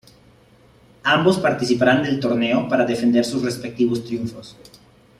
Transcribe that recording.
Ambos participarán del torneo, para defender sus respectivos triunfos.